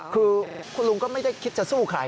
คือคุณลุงก็ไม่ได้คิดจะสู้ใคร